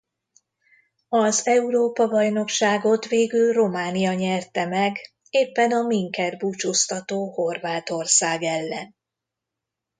Az Európa-bajnokságot végül Románia nyerte meg éppen a minket búcsúztató Horvátország ellen.